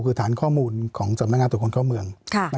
คือฐานข้อมูลของสำนักงานตรวจคนเข้าเมือง